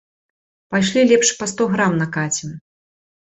Пайшлі лепш па сто грам накацім.